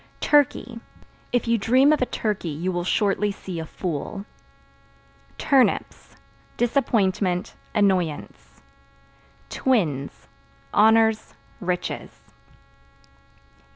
Turkey If you dream of a turkey you will shortly see a fool. Turnips Disappointment, annoyance. Twins Honors, riches.